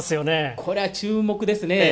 これは注目ですね。